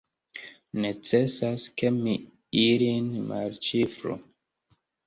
Necesas, ke mi ilin malĉifru.